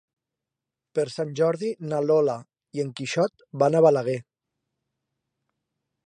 Per Sant Jordi na Lola i en Quixot van a Balaguer.